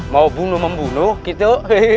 mau bunuh membunuh gitu